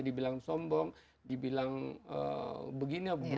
dibilang sombong dibilang begini